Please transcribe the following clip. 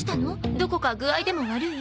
どこか具合でも悪い？